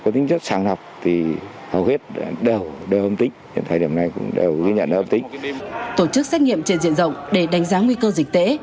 tổ chức xét nghiệm trên diện rộng để đánh giá nguy cơ dịch tễ